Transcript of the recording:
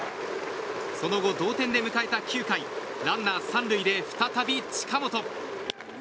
その後、同点で迎えた９回ランナー３塁で再び近本。